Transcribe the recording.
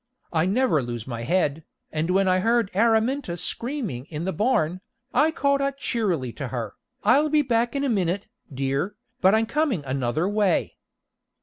I never lose my head, and when I heard Araminta screaming in the barn, I called out cheerily to her, "I'll be back in a minute, dear, but I'm coming another way."